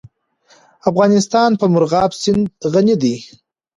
افغانستان په مورغاب سیند غني دی.